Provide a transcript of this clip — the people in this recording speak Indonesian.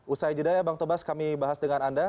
usai jeda ya bang tobas kami bahas dengan anda